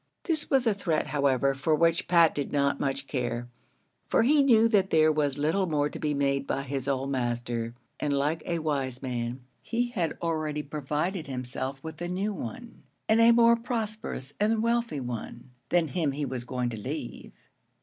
This was a threat, however, for which Pat did not much care; for he knew that there was little more to be made by his old master; and, like a wise man, he had already provided himself with a new one, and a more prosperous and wealthy one than him he was going to leave.